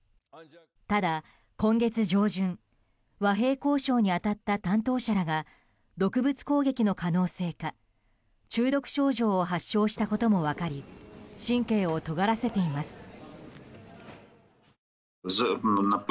ただ今月上旬和平交渉に当たった担当者らが毒物攻撃の可能性か中毒症状を発症したことも分かり神経をとがらせています。